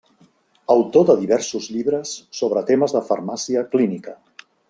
Autor de diversos llibres sobre temes de Farmàcia Clínica.